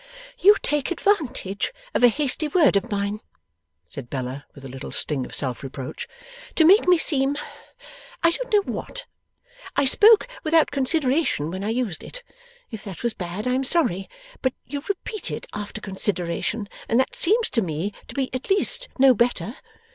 'You take advantage of a hasty word of mine,' said Bella with a little sting of self reproach, 'to make me seem I don't know what. I spoke without consideration when I used it. If that was bad, I am sorry; but you repeat it after consideration, and that seems to me to be at least no better.